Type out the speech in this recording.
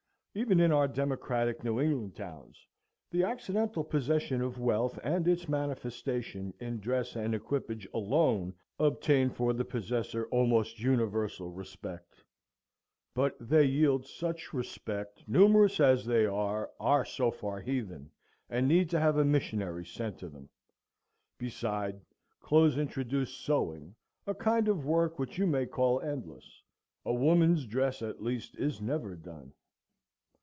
Even in our democratic New England towns the accidental possession of wealth, and its manifestation in dress and equipage alone, obtain for the possessor almost universal respect. But they yield such respect, numerous as they are, are so far heathen, and need to have a missionary sent to them. Beside, clothes introduced sewing, a kind of work which you may call endless; a woman's dress, at least, is never done.